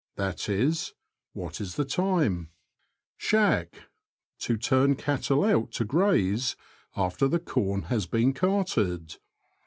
That is, ''What is the time ?" Shack. — To turn cattle out to graze after the corn has been carted.